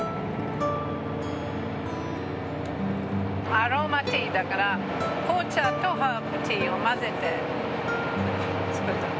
アロマティーだから紅茶とハーブティーを混ぜて作ったの。